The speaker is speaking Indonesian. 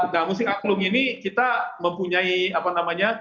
nah musik angklung ini kita mempunyai apa namanya